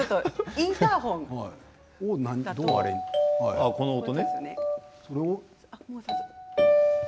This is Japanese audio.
インターホンの音